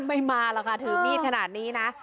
ไม่มาหรอกค่ะถือมีดขนาดนี้นะ